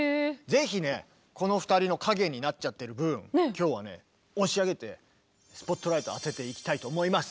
ぜひねこの２人の陰になっちゃってる分今日はね押し上げてスポットライトを当てていきたいと思います。